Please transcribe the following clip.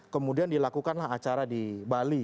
kemudian dilakukanlah acara di bali